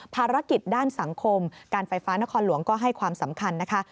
ภารกิจด้านสังคมการไฟฟ้านครหลวงก็ให้ความสำคัญนะคะ